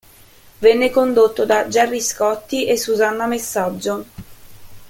Venne condotto da Gerry Scotti e Susanna Messaggio.